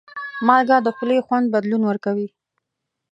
مالګه د خولې خوند بدلون ورکوي.